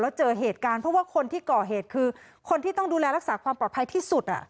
แล้วเจอเหตุการณ์เพราะว่าคนที่ก่อเหตุคือคนที่ต้องดูแลรักษาความปลอดภัยที่สุด